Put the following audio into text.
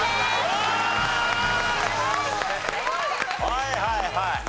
はいはいはい。